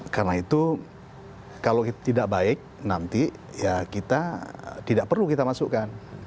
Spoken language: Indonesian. karena itu kalau tidak baik nanti ya kita tidak perlu kita masukkan